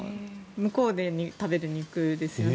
向こうで食べる肉ですよね。